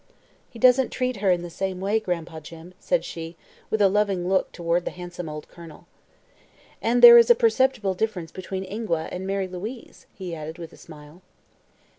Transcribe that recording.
"He doesn't treat her in the same way, Gran'pa Jim," said she, with a loving look toward the handsome old Colonel. "And there is a perceptible difference between Ingua and Mary Louise," he added with a smile.